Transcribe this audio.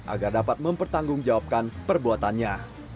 agar dapat mempertanggungjawabkan perbuatannya